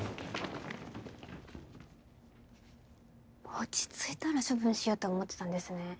落ち着いたら処分しようと思ってたんですね。